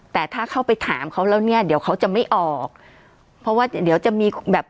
แต่ถ้าเข้าไปถามเขาแล้วเนี้ยเดี๋ยวเขาจะไม่ออกเพราะว่าเดี๋ยวจะมีแบบ